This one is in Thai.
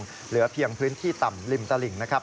ลดระดับลงเหลือเพียงพื้นที่ต่ำลิมตะหลิงนะครับ